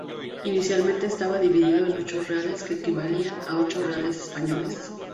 Inicialmente estaba dividido en ocho reales que equivalían a ocho reales españoles.